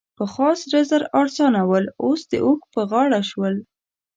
پخوا سره زر ارزانه ول؛ اوس د اوښ په غاړه شول.